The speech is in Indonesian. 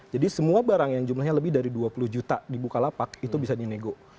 jadi semua barang yang jumlahnya lebih dari dua puluh juta di bukalapak itu bisa di nego